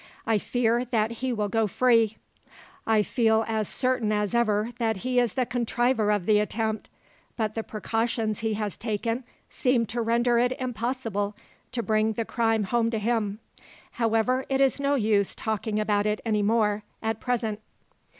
I fear that he will go free. I feel as certain as ever that he is the contriver of the attempt; but the precautions he has taken seem to render it impossible to bring the crime home to him. However, it is no use talking about it any more, at present.